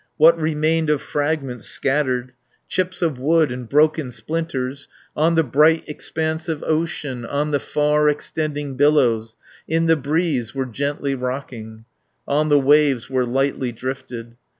What remained of fragments scattered, Chips of wood, and broken splinters, On the bright expanse of ocean, On the far extending billows, 200 In the breeze were gently rocking, On the waves were lightly drifted.